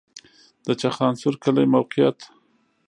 د چخانسور کلی موقعیت